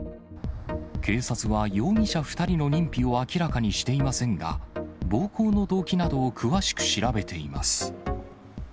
警察は容疑者２人の認否を明らかにしていませんが、暴行の動機などを詳しく調べています。